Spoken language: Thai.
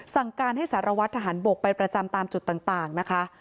สั่งการให้สารวัตรทหารบกไปประจำตามจุดต่างนะคะ